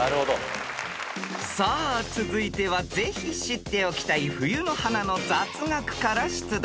［さあ続いてはぜひ知っておきたい冬の花の雑学から出題］